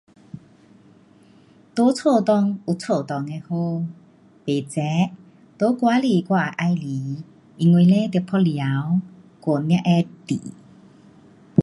在家内有家内的好，不热，在外里，我也喜欢，因为嘞得嗮太阳，骨才会硬。